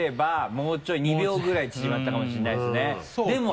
もうちょい２秒ぐらい縮まったかもしれないですね。